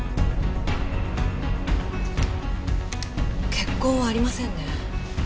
血痕はありませんね。